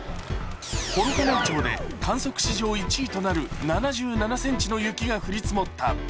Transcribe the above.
幌加内町で観測史上１位となる７７ｃｍの雪が降り積もった。